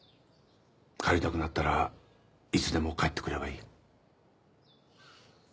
帰りたくなったらいつでも帰ってくればいい。